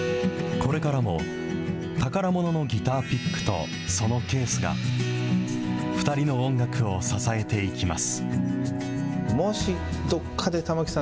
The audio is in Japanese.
これからも宝もののギターピックとそのケースが、２人の音楽を支えていきます。